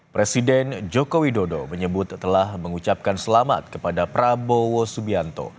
presiden joko widodo menyebut telah mengucapkan selamat kepada prabowo subianto